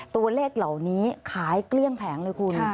ตัวเลขเหล่านี้ขายเกลี้ยงแผงเลยคุณ